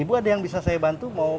ibu ada yang bisa saya bantu mau